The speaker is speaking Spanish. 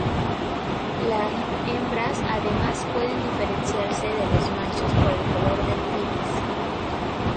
La hembras además pueden diferenciarse de los machos por el color del iris.